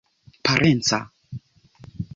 parenca